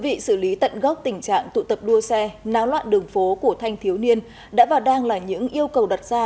vị xử lý tận gốc tình trạng tụ tập đua xe náo loạn đường phố của thanh thiếu niên đã vào đang là những yêu cầu đặt ra